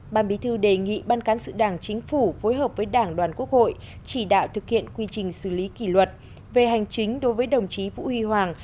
ban bí thư đề nghị ban cán sự đảng chính phủ phối hợp với đảng đoàn quốc hội chỉ đạo thực hiện quy trình xử lý kỷ luật về hành chính đối với đồng chí vũ huy hoàng